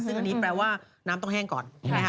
ซึ่งอันนี้แปลว่าน้ำต้องแห้งก่อนใช่ไหมค